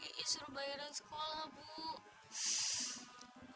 ibu suruh bayaran sekolah ibu